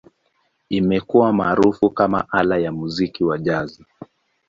Imekuwa maarufu kama ala ya muziki wa Jazz.